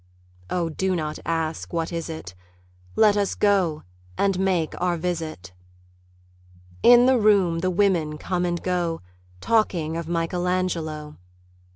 Oh, do not ask, "What is it?" Let us go and make our visit. In the room the women come and go Talking of Michelangelo.